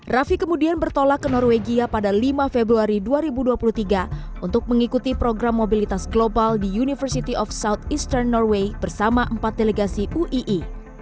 raffi kemudian bertolak ke norwegia pada lima februari dua ribu dua puluh tiga untuk mengikuti program mobilitas global di university of southeaster norway bersama empat delegasi uii